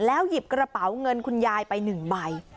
หยิบกระเป๋าเงินคุณยายไป๑ใบ